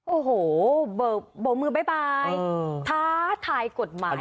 โอ้โหบอกมือบ๊ายบายท้าทายกฎหมายนะคะ